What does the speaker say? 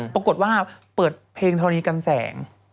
ปรากฏว่าเปิดเพลงธรณีกันแสง